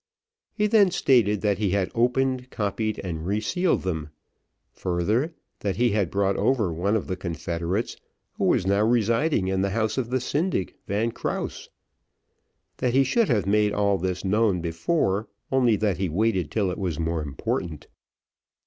He then stated, that he had opened, copied, and resealed them; further, that he had brought over one of the confederates, who was now residing in the house of the syndic, Van Krause. That he should have made all this known before, only that he waited till it was more important.